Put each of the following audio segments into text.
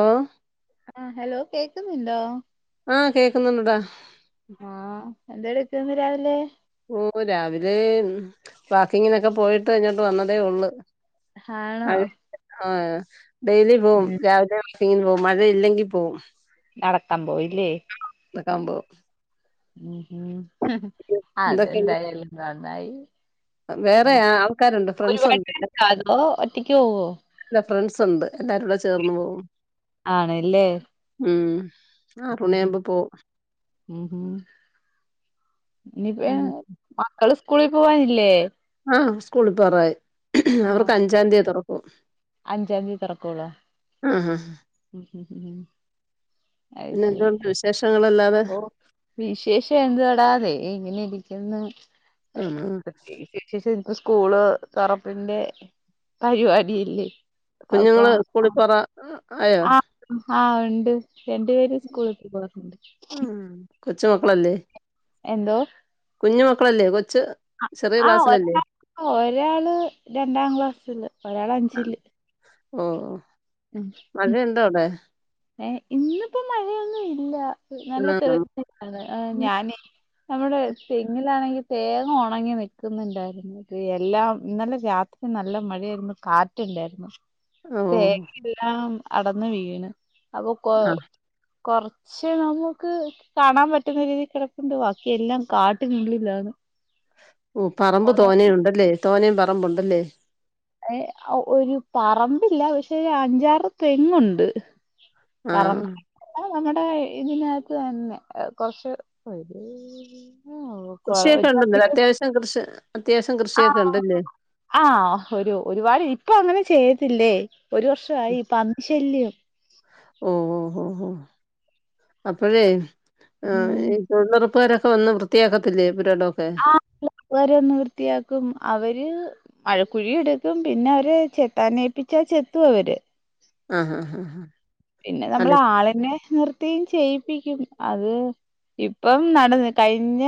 ആ ആ ഹലോ കേക്കുന്നുണ്ടോ? ആ കേക്കുന്നുണ്ടെടാ ആഹ് എന്താ എടുക്കുന്ന് രാവിലെ? ഓ രാവിലെ വാക്കിങ്ങിനൊക്കെ പോയിട്ട് ഇങ്ങോട്ട് വന്നതേ ഉള്ളു. ആണോ? [inaudible] ഡെയ്ലി ഉം പോവും രാവിലെ [unintelligible] മഴ ഇല്ലെങ്കിൽ പോവും. നടക്കാൻ പോയില്ലേ? നടക്കുമ്പോ ഉം ഉം അതെ എന്തൊക്കെയുണ്ട് എന്തായാലും കാണും. [unintelligible] വേറെ ആൾക്കാരുണ്ട് ഫ്രൻസുണ്ട് പേരുണ്ടോ അതോ ഒറ്റക്ക് പോവോ ല്ലാ ഫ്രൻസുണ്ട് എല്ലാരും കൂടെ ചേർന്ന് പോവും ആണല്ലേ ഉം [inaudible] ഉം മണിയാകുമ്പോ പോവും ഉം ഇനിപ്പ ഉം മക്കള് സ് ക്കൂളി പോവാനില്ലേ? ആ സ്കൂളിൽ പോവാറായി അവർക്ക് അഞ്ചാന്തി തുറക്ക് [unintelligible] അഞ്ചാന്തി തുറക്കോളോ ഉഹും [unintelligible] അത് ശരി പിന്നെന്തുണ്ട് വിശേഷങ്ങളെല്ലാം ഓ വിശേഷം എന്താ പ്ടാതെ എങ്ങനെ ഇരിക്കന്നു ആഹ് [unintelligible] സ്കൂള് തൊറപ്പിന്റെ പരിവാടിയില്ലേ കുഞ്ഞുങ്ങള് സ്കൂളിൽ പൊറ അ ആവ ണ്ട് രണ്ടു പേരും സ്കൂളിപൊവണ്ട് ഉം കൊച്ച് മക്കളല്ലേ എന്തോ കുഞ്ഞ് മക്കളല്ലേ കൊ ആ ഒരാ ഒരാള് രണ്ടാം ക്ലാസില് ഒരാള് ആ. അഞ്ചില് ഓ ഉം മഴയുണ്ടോ അവിടെ ഏ ഇന്നിപ്പം മഴയൊന്നും ഇല്ല ആ നല്ല നമ്മ തെളിഞ്ഞ് നിക്കണ് ആ ഞാനെ നമ്മുടെ തെങ്ങിലാണെങ്കിൽ തേങ്ങ ഉണങ്ങി നിക്കുന്നുണ്ടായിരുന്നു ഇ എല്ലാം ഇന്നലെ രാത്രി നല്ല മഴയായിരുന്നു കാറ്റില്ലായിരുന്നു ഓ തേങ്ങയെല്ലാം അടന്ന് വീണ് അതൊക്കോ ആ കൊറച്ച് നമുക്ക് കാണാൻ പറ്റുന്ന രീതി കിടപ്പുണ്ട് ബാക്കി എല്ലാം കാട്ടിനുള്ളിലാണ് ഉം പറമ്പ് ഉണങ്ങി തോനേയുണ്ടല്ലേ തോനേം പ റമ്പുണ്ടല്ലേ എ ഒ ഒരു പറമ്പില്ല പക്ഷേ അഞ്ചാറ് തെങ്ങുണ്ട് ആഹ് പറമ്പായിട്ടല്ല നമ്മുടെ ഇതിനകത്ത് തന്നെ കൊറച്ച് ഒരു കൊ- കൃഷിയൊക്കെ ഒരു ഉണ്ട്ന്നില്ല പത്തിരുപത് അത്യാവശ്യം കൃഷ് ആ ആ ഒരു ഒരുപാട് ഇപ്പൊ അങ്ങനെ ചെയ്യ ഇല്ലേ ഒരു വർഷായി പന്നി ശല്യം ഓ ഓ ഓ ഓ അപ്പഴേ ആഹ് ഉം. ഈ തൊഴിലൊറ പ്പാരൊക്കെ വന്ന് വൃത്തിയാക്കത്തില്ലേ പുരയിടമൊക്കെ ആ വരും വൃത്തിയാക്കും അവര് മഴക്കുഴി എട്ക്കും പിന്നെ അവര് ചെത്താനേൽപ്പിച്ചാ ചെത്തും അവര് ആ ഹ ഹ ഹാ പിന്നെ നമ്മൾ അല്ല ആളെനെ നിർത്തി ചെയ്യും ചെയ്യിപ്പിക്കും അത് ഇപ്പൊ കഴിഞ്ഞ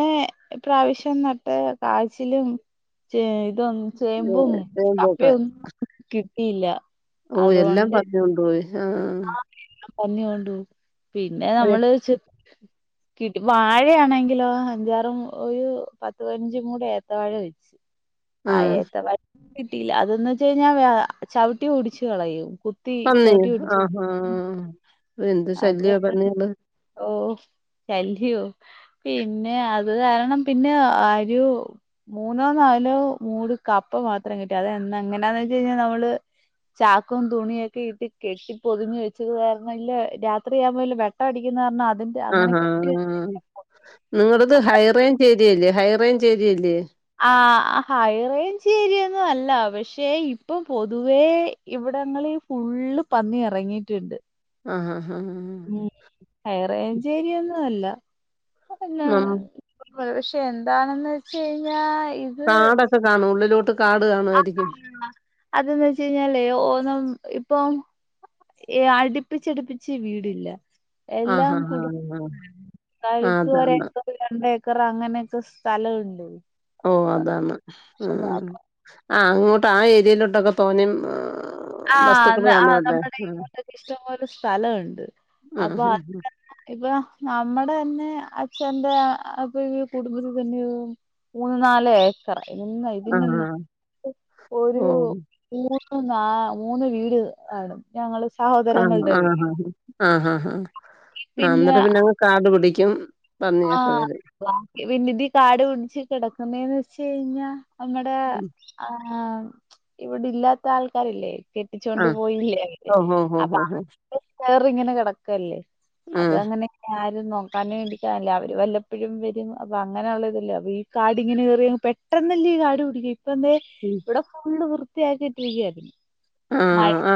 പ്രാവശ്യം നട്ട കാച്ചിലും ഇതൊ ഏ, ചേമ്പും ചേമ്പൊക്കെ കപ്പയും ഒന്നും ഇല്ല ഓ എല്ലാം പന്നികൊണ്ടു പോയി ആഹ ആ എല്ലാം പന്നി കണ്ടു പിന്നെ നമ്മള് ശ്രദ്ധിക്കണം കിട്ടി വാഴയാണെങ്കിലോ അഞ്ചാറും ഒരു പത്ത് പതിനഞ്ച കൂടി ഏത്തവാഴ വരും ആ ഏത്ത വാഴ കിട്ടിയില്ല അതന്ന വെച്ച് കഴിഞ്ഞാൽ ചവിട്ടി ഓടിച്ച് കളയും കുത്തി ചവിട്ടി ഓടിച്ചു ആഹ എന്ത് ശല്യോ കാരണം പന്നികൾ ഓ ശല്യോ പിന്നെ അത് കാരണം പിന്നെ ആ മൂന്നോ നാലോ മൂട് കപ്പ മാത്രം കിട്ടും അതാ എങ്ങനാന്ന് വെച്ച കഴിഞ്ഞാൽ നമ്മള് ചാക്കവും തുണിയ ഒക്കെ ഇട്ട് കെട്ടി പൊതിഞ്ഞഞ് വെച്ചത് കാരണം ലെ രാത്രിയാകുമ്പോൾ വെട്ടടിക്കുന്ന കാരണം അത്ര ആാ നിങ്ങളുടെ ഹൈറേഞ്ച് ഏരിയല്ലേ ഹയർ ഹൈറേഞ്ച് ഏരിയല്ലേ ആ ഹൈറേഞ്ച് ഏരിയൊന്നും അല്ല പക്ഷെ ഇപ്പൊ പൊതുവേ ഇവിടങ്ങളിൽ ഫുൾ പന്നി ഇറങ്ങിയിട്ടുണ്ട് ആഹ ഉം ഹൈറേഞ്ച് ഏരിയൊന്നും അല്ല അപ്പോപിന്നെ നം പക്ഷെ എന്താണെന്ന് വെച്ച് കഴിഞ്ഞാൽ കാടൊക്കെ കാണോ ഉള്ളിലോ [inaudible] അതെന്ത് വെച്ചു കഴിഞ്ഞാലേ ഓനും പോം എഅടുപ്പിച്ചടുപ്പിച്ച് വീടില്ല എല്ലാം ആഹാ ഹാ കുടു ഹാ ആ കഴക്ക് [unintelligible] ഒരു അതാണ് രണ്ടേഏക്ക ക്കർ അങ്ങനെയൊക്കെ സ്ഥലുണ്ട് ഓ അതാണ് ഉം ആ അങ്ങോട്ട് ആ ഏരിയലോട്ടൊക്കെ തോനെ ആഅത് ആ നമ്മുടെ ഇങ്ങോട്ടൊക്കെ ഇഷ്ടംപോലെ സ്ഥലണ്ട് ആ അപ്പൊ ഹാ ഹാ [inaudible] ഇപ്പൊ നമ്മുടെന്നെ പക്ഷെ എന്റെ അപ്പൊ ഈ കുടുംബത്തിൽ തന്നെ മൂന്ന് നാല് ഏക്കറാ ഇന്ന് ആ ഇതിനെന്ന ഒരു ഓ മൂന്ന് [inaudible] [unintelligible] മൂന്ന് വീട് ആണ് ഞങ്ങള് ആന്നു സഹോദരങ്ങളുടെ ആ വീട് ആഹ ഹ ഹ ആ എന്നിട്ട് പിന്നെ അങ്ങ് കാടു പിടിക്കും ആ പന്നിയൊക്കെ വരും [inaudible] പിന്നിതി കാട് പിടിച്ച് കിടക്കും ഒന്നേന്ന് വെച്ച് കഴിഞ്ഞ നമ്മെടെ ഉം. ആ ആ ഇവിടെ ഇല്ലാത്ത ആൾക്കാരില്ലേ ആ കെട്ടിച്ചൊണ്ട് പോയില്ലേ ഓ ഹോ ഹോ ഹോ അപ്പൊ [inaudible] ഹോ ഇപ്പ ഇങ്ങനെ കിടക്കല്ലേ അത് അങ്ങനെക്യാരി [unintelligible] നോക്കാനുവേണ്ടി ല്ലേ അവര് വല്ലപ്പോഴും വരും അപ്പൊ അങ്ങനെയുള്ള ഇതല്ലേ അപ്പ ഈ കാടി ഇങ്ങനെ കറിയ പെട്ടെന്നല്ലേ ഈ കാട് പിടിക്ക ഇപ്പം ദേ ആ ഇവിടെ ഫുള്ള് വൃ ത്തിയാക്കിയിട്ടിരിക്കുയാരുന്നു ആഹ ആ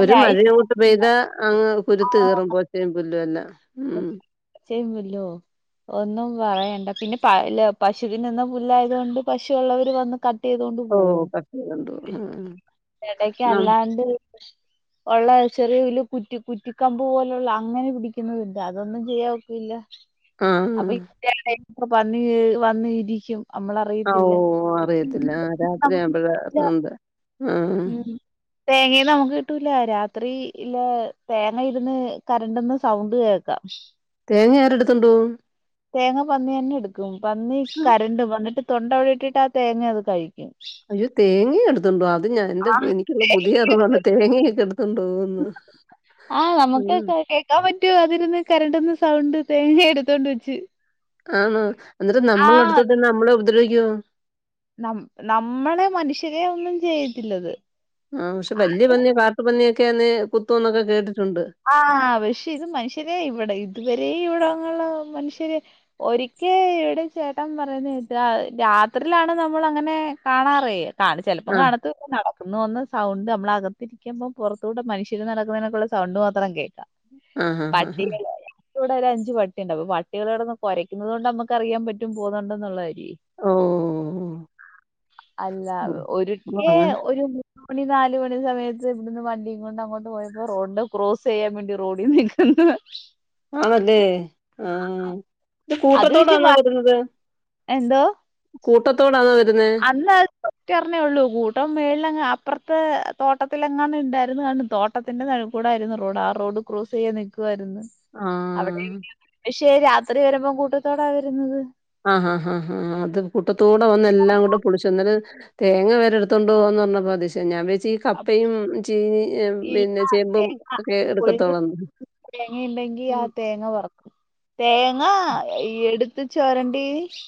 ഒരു മഴയങ്ങോട്ട് പെയ്താ അങ്ങ് കുരുത്ത് ആഹ് കയറും പോച്ചേ [unintelligible] [unintelligible] ഇം [unintelligible] ല്ലോ ഒന്നും പറയണ്ട പിന്നെ പല്‌ പശുവിന് തിന്ന പുല്ലായത് കൊണ്ട് പശുവുള്ളവര് വന്ന് ക ട്ട് ചെയ്തോണ്ട് ഓഹ് പോവും പട്ടി കണ്ടു ആഹ് എടയ്ക്ക് നം അല്ലാണ്ട് ഉള്ള ചെറിയ ഇതില് കുറ്റി കുറ്റിക്കമ്പ് പോലുള്ള അങ്ങനെ പിടിക്കുന്നതു അതൊന്നും ചെയ്യാൻ ഒക്കൂല. ആഹ് അപ്പൊ ഇക്ക എവടെ? [unintelligible] വന്ന് വന്നിരിക്കും ഓ അറിയത്തില്ല ഏഹ് നമുക്ക് രാത്രിയാവുമ്പഴാ കിട്ടൂല. [unintelligible] ആഹ് തേങ്ങ നമുക്ക് കിട്ടൂല രാത്രി ഇല് തേങ്ങ ഇരുന്ന് കരണ്ടുന്ന സൗണ്ട് കേക്കാം തേങ്ങ ആരെടുത്തോണ്ട് പോവും തേങ്ങാ പന്നി തന്നെ എടുക്കും പന്നി ഉം. കരണ്ട് വന്നിട്ട് തൊണ്ട് അവിടിട്ടിട്ട് ആ തേങ്ങ അത് കഴിക്കും അയ്യോ തേങ്ങയും എടുത്തോണ്ട് പോവോ അത് ഞാ എന്റെ ആഹ് എനിക്കുള്ള പുതിയ അറിവാണ് തേങ്ങയൊക്കെ എടുത്തോ ആ നമുക്ക് കേ കേക്കാൻ പറ്റും അതിരുന്ന് കരണ്ടുന്ന സൗണ്ട് തേങ്ങ എടുത്തോണ്ട് വെച്ച് ആണോ എന്നിട്ട് നമ്മള ആഹ് അടുത്തോട്ട് ചെന്നാ നമ്മളെ ഉപദ്രവി യാ നം നമ്മളെ മനുഷ്യരെ ഒന്നും ചെയ്യത്തില്ലത് [unintelligible] കുത്തൂന്നൊക്കെ കേട്ടി ആ പക്ഷെ ഇത് മനുഷ്യരെ ഇവടെ ഇത് ഈ ഇവടങ്ങളില് മനുഷ്യര് ഒരിക്കേ ഇവടെ ചേട്ടൻ പറയുന്നത് കേട്ടു രാത്രിയിലാണ് നമ്മൾ അങ്ങനെ കാണാറേ കാണ ചെലപ്പം ആഹ് കാണത്ത് [inaudible] നടക്കുന്നുന്ന് സൗണ്ട് നമ്മളകത്തിരിക്കുമ്പം പുറത്തൂടെ മനുഷ്യര് നടക്കുന്നതിനേക്കൂട്ടുള്ള സൗണ്ട് [unintelligible] ആ ഹാ ഹാ ഹാ ഇപ്പൊ ഇവടെ ഒരു അഞ്ച് പട്ടിയുണ്ട് അപ്പ പട്ടികള് കെടന്ന് കുരയ്ക്കുന്നത് കൊണ്ട് നമുക്ക് അറിയാൻ പറ്റും പോകുന്നുണ്ട് എന്നുള്ളതേ ഇ ഓഹ് അല്ല ഒരിക്കെ ആഹ് ഒരു മു മണി നാല് മണി സമയത്ത് ഇവിടുന്ന് വണ്ടിയും കൊണ്ട് അങ്ങോട്ട് പോയപ്പോ റോഡിൻറെ കു ക്രോസ്സ് ചെയ്യാൻ വേണ്ടി റോഡി നിക്കുന്ന് ആണല്ലേ ആ ഇത് അത് പക്ഷെ കൂട്ടത്തോടാണോ വരുന്നത്? എന്തോ കൂട്ടത്തോടാണോ വരു അന്ന് ഒറ്റ ഒരണേ ഉള്ളു. കൂട്ടം മേളിലങ്ങ് അപ് അപ്പറത്തെ തോട്ടത്തിലെങ്ങാണ്ട് ഇണ്ടായിരുന്നു കാണും തോട്ടത്തിന്റെ നടൂക്കൂടായിരുന്നു റോഡ്. ആ റോഡ് ക്രോസ് ചെയ്യാ നിക്കുവാര്ന്നു ആഹ് അവിടെവിടെയാ [inaudible] പക്ഷേ രാത്രി വരുമ്പോം കൂട്ടത്തോടാ വരുന്നത് ആഹ് ആഹ് ആഹ് ആഹ് അത് കൂട്ടത്തോടെ വന്ന് എല്ലാം കൂടെ പൊളിച്ചു എന്നത് തേങ്ങ വരെ എടുത്തൊണ്ടോവോന്ന് പറഞ്ഞപ്പോ അതിശയം ഞാൻ വെ ച്ചീ കപ്പയും ചീനി ഈ പിന്നെ ചേമ്പും ഒക്കെ കൊഴിഞ്ഞ എടുക്കത്തോളന്ന് തേങ്ങ ഉണ്ടെങ്കി ആ തേങ്ങ പറക്കും ത്ത് ചൊരണ്ടി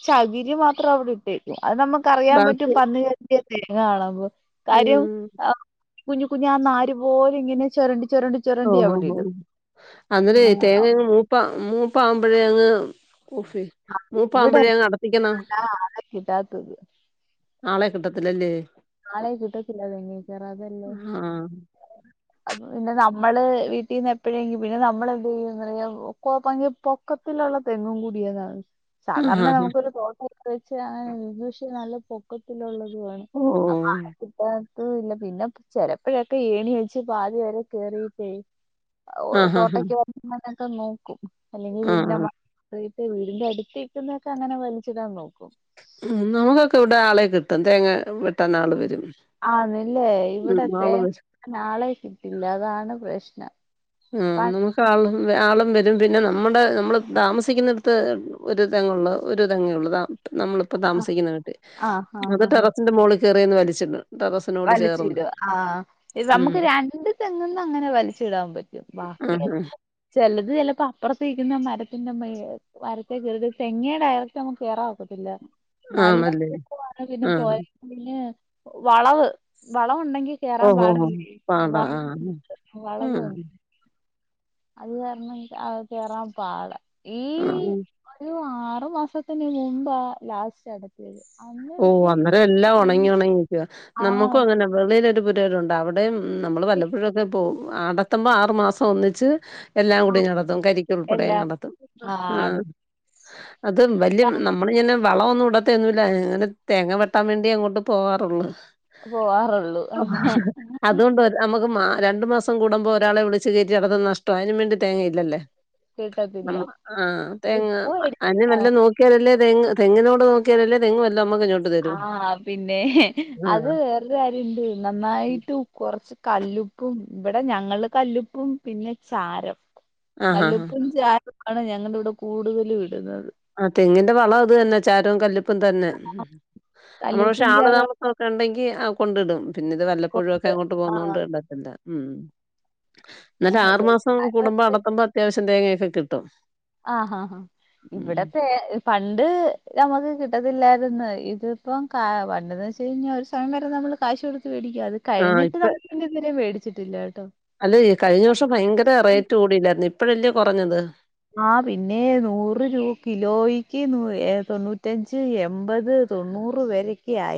ചകിരി മാത്രം അവിടെ ഇട്ടേക്കും അത് നമ്മക്ക് അറിയാൻ പറ്റും ബാക്കി പന്നി കേറി [unintelligible] ഉം കുഞ്ഞു കുഞ്ഞാ ആ നാര് പോലെ ഇങ്ങനെ ചൊരണ്ടി ഓ ഓ ഓ അന്നതേ തേങ്ങങ് മൂപ്പാ മൂപ്പാകുമ്പഴേ അങ്ങ് ഓഫെയ്യ് ഇവിടെ മൂപ്പാകുമ്പഴേ അങ്ങ് അടത്തിക്കണം ആ ആളെ കിട്ടാത്തത് ആളെ കിട്ടത്തില്ലല്ലേ ആളെ കിട്ടത്തില്ല തെങ്ങേ കേറാ അതല്ലേ ആഹ് പിന്നെ നമ്മള് വീട്ടീന്ന് എപ്പഴേങ്കിം പിന്നെ നമ്മളെന്ത് ചെയ്യും ന്നറിയാവോ [unintelligible] പൊക്കത്തിലുള്ള തെങ്ങും കൂടിയതാണ് ആഹ് സാധാരണ ആഹ് നമുക്കൊരു തോട്ട വെച്ച് അങ്ങനെ ഇത് പക്ഷേ നല്ല പൊക്കത്തിലുള്ളത് ഓ അതിപ്പാ എത്തത്തു ഇല്ല പിന്നെ ചെലപ്പഴക്കെ ഏണി വെച്ച് പാതി വരെ കേറീട്ടേയ് ഓ ആഹ് തോട്ടക്ക് [unintelligible] ഒക്കെ നോക്കും അല്ലെങ്കി ആഹ് വീടിൻ്റെ മ ആഹ് [unintelligible] വീടിന്റെ അടുത്ത് ഇക്കുന്നതൊക്കെ അങ്ങനെ വലിച്ചിടാൻ നോക്കും ഉം നമുക്കൊക്കെ ഇവിടെ ആളെ കിട്ടും തേങ്ങ വെട്ടാൻ ആള് വരും ആന്നില്ലേ ഉം ഇവിടെ ആള് വരും തേങ്ങയിടാൻ ആളെ കിട്ടില്ല അതാണ് പ്രശ്നം ആ പ നമുക്ക് ആളും വെ ആളും വ രും പിന്നെ നമ്മുടെ നമ്മള് താമസിക്കുന്നിടത്ത് ഒരു തെങ്ങ് ഒള്ളു ഒരു തെങ്ങേ ഉള്ളൂ നമ്മളിപ്പ ആഹ് താമസിക്കുന്ന ആഹ് [unintelligible] അത് ടെറസിന്റെ മോള് കേർ [unintelligible] ന്ന് വലിച്ചി [unintelligible] വലിച്ചിടാ ആ ഉം നമുക്ക് രണ്ട് തെങ്ങിന്ന് അങ്ങനെ വലിച്ചിടാൻ പറ്റും ബാക്കി ആഹ് ആഹ് ചിലത് ചിലപ്പോ അപ്പുറത് നികുന്നേ മരത്തിന്റെ മേ മരത്തെ കയറി തെങ്ങയ ഡയറക്റ്റ് നമ്മുക്ക് കയറ ഒക്കത്തില്ല നല്ല ആണല്ലേ പിന്നെ പോയ ആഹ് [unintelligible] വളവ് വളം ഉണ്ടെങ്കി കേറാൻ ഓഹോ പാടില്ലേ പാടാ വ ആഹ് ആഹ് [unintelligible] അത് കാരണം കേറാൻ പാട ഈ ആഹ് ഒരു ആറു മാസത്തിന് മുമ്പാ ലാസ്റ്റ് അടച്ചത് ഓ അന്നേരം എല്ലാം ഉണങ്ങി ഉണങ്ങിയിരിക്കുവ നമുക്കും ആഹ് അങ്ങനെ വെള്ള രുണ്ട് അവിടെയും ഉം നമ്മൾവല്ലപ്പോഴൊക്കെ പോം [unintelligible] ആറു മാസം ഒന്നിച്ച് എല്ലാം കൂടി നടത്തും കരിക്ക് ഉൾപ്പെടെ എല്ലാം നടത്തും ആഹ് ആ അടു അത് വലിയ നമ്മള ഇങ്ങനെ വളൊന്നും ഇടത്തൊന്നില്ല തേങ്ങ വെട്ടാൻ വേണ്ടി അങ്ങോട്ട് പോവാറുള്ളു പോവാറുള്ളൂ അതുകൊണ്ട് നമുക്ക് മാ രണ്ടു മാസം കൂടുമ്പോ ഒരാളെ വിളിച്ച് കേറ്റി ഇട്ന്നെ നഷ്ട അതിനും വേണ്ടി തേങ്ങ ഇല്ലല്ലേ കിട്ടത്തില്ല ആ തെ ഉപ്പ് അന് മേടിച്ചിട്ടാ നല്ല നോക്കിയാലല്ലേ തങ് തെങ്ങിനോട് [unintelligible] നോക്കിയാലല്ലേ തെങ്ങ് വല് ആ പിന്നെ അത് ആഹ്. വേറൊരു കാര്യുണ്ട് നന്നായിട്ട് കൊറച്ച് കല്ലുപ് പ്പും ഇവിടെ ഞങ്ങൾ കല്ലുപ്പും പിന്നെ ചാരം ആഹാ. കല്ലുപ്പും ചാരം ആണ് ഞങ്ങളുടെ ഇവിടെ കൂടുതലും ഇടുന്നത് ആ തെങ്ങിന്റെ വളം അത് തന്നെ ചാരം കല്ലുപ് പ്പും തന്നെ നമ്മൾ പക്ഷെ കല്ലുപ്പും ആളു ചാരവും താമസൊക്കെ ഉണ്ടെങ്കി കൊണ്ടിടും പിന്നെ ഇത് വല്ലപ്പോഴുമൊക്കെ അങ്ങോട്ട് പോകുന്നത കൊണ്ട് ഇടത്തില്ല ഉം ഇന്നിട്ട് ആറ് മാസം കൂടുമ്പോ അടത്തുമ്പോ അത്യാവശ്യം തേങ്ങയൊക്കെ കിട്ടും ആ ഹ ഹ ഹ ഉം ഇവിടെ തേ പണ്ട് നമ്മക്ക് കിട്ടത്തില്ലായിരുന്നു ഇതിപ്പ ക പണ്ടെന്ന് വെച്ച് ഒരു സമയം വരെ നമ്മൾ കാശ് കൊടു [unintelligible] അത് കഴിഞ്ഞിട്ട് [unintelligible] ച്ചിട്ടില്ല ട്ടോ അല്ലേയ് കഴിഞ്ഞ വർഷം ഭയങ്കര റേറ്റ് കൂടില്ലായിരുന്നോ ഇപ്പഴല്ലേ കുറഞ്ഞത് ആഹ്‌ പിന്നേ നൂറ് രൂ കിലോയ്ക്ക് നൂ ഏഹ് തൊണ്ണൂറ്റഞ്ച് എൺപത് തൊണ്ണൂറ് വരെക്കയായി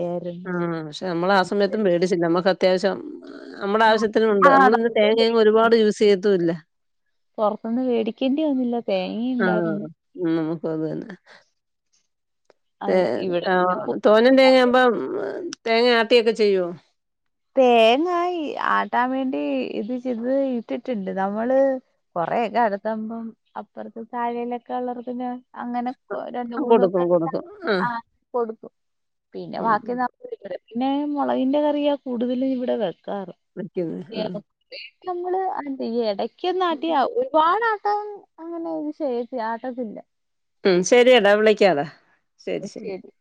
ആഹ്‌ പക്ഷെ നമ്മളാ സമയത്തും മേടിച്ചില്ല മ്മക്ക അത്യാവശ്യം അമ്മുടെ ആവശ്യത്തിനുമുണ്ട് ആഹ് നമ്മളിന്ന് നമുക്ക് തേങ്ങയങ്ങ് ഒരുപാട് യൂസ് ചെയ്തൊല്ല പുറത്തുന്ന് വേടി ആഹ് നമുക്ക് അത് തന്നെ തേ അത് ഇവിടെ പിന്നെ പു- തോനെ തേങ്ങ ആവുമ്പോ തേങ്ങ ആട്ടിയൊക്കെ ചെയ്യോ തേങ്ങായി ആട്ടാൻ വേണ്ടി ഇത് ചെയ്ത് ഇട്ടിട്ട്ണ്ട് നമ്മള് കൊറെയൊക്കെ അടുത്തമ്പം അപ്പൊറ്ത്ത് തഴെയിലൊക്കെ വളർത്തിനെ അങ്ങനെക്ക് രണ്ട് ആ മൂന്നൊക്കെ കൊടുക്കും കൊടുക്കും ആഹ് കൊടുത്തു പിന്നെ ഉം വാക്കി [unintelligible] ന്നാ [unintelligible] പിന്നെ മൊളകിന്റെ കറിയോ കൂടുതലും ഇവിടെ വരും ക്കാറും വിളിക്കുന്നു ആഹ് ഞങ്ങൾ എടക്കെന്ന് ആട്ടിയാ ഒരുപാട് ആഹ് അ അങ്ങനെ ഇത് ചെയ്യത്തി ആട്ടത്തില്ല ക്ക്യതാ ശെരി